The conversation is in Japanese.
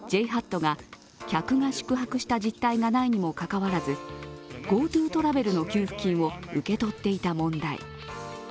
ＪＨＡＴが客が宿泊した実態がないにもかかわらずＧｏＴｏトラベルの給付金を受け取っていた問題。